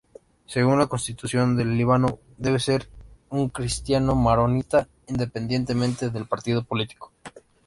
Según la Constitución del Líbano debe ser un cristiano maronita, independientemente del partido político.